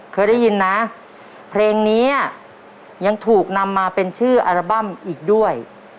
เคยได้ยินนะเพลงนี้ยังถูกนำมาเป็นชื่ออัลบั้มอีกด้วย